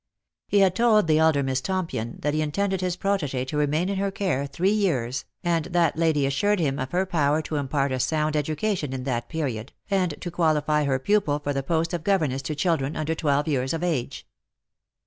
He had told the elder Miss Tompion that he intended his protegee to remain in her care three years, and that lady had assured him of her power to impart a sound education in that period, and to qualify her pupil for the post ol governess to children under twelve years of age.